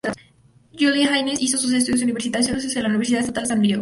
Julie Haynes hizo sus estudios universitarios en la Universidad Estatal de San Diego.